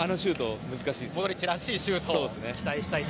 モドリッチらしいシュートを期待したいと。